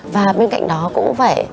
và bên cạnh đó cũng phải